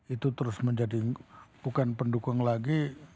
itu terus menjadi bukan pendukung lagi